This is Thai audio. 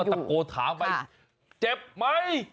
คนเขาก็ตะโกถาไปเจ็บไหม